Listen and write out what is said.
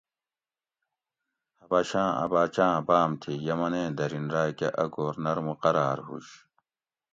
حبشاۤں ا باچاۤں باۤم تھی یمنیں دۤرین راۤکہ اۤ گورنر مقراۤر ہُوش